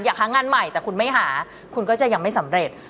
อยากหางานใหม่แต่คุณไม่หาคุณก็จะยังไม่สำเร็จ